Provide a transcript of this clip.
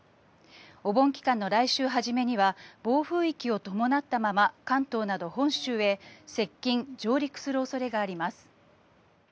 お盆期間の来週初めには暴風域を伴ったまま関東など本州へ接近・上陸する恐れがあります。